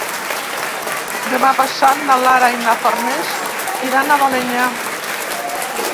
Demà passat na Lara i na Farners iran a Balenyà.